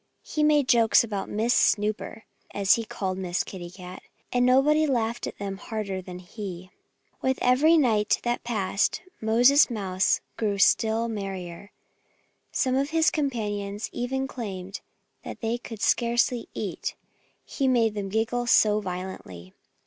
He made jokes about Miss Snooper as he called Miss Kitty Cat. And nobody laughed at them harder than he. With every night that passed, Moses Mouse grew still merrier. Some of his companions even claimed that they could scarcely eat, he made them giggle so violently.